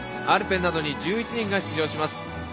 アルペンなどに１１人が出場します。